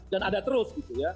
dan ada terus